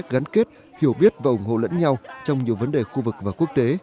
gắn kết hiểu biết và ủng hộ lẫn nhau trong nhiều vấn đề khu vực và quốc tế